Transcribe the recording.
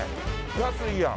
安いやん。